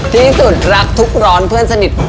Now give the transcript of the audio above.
ที่สุดรักทุกร้อนเพื่อนสนิท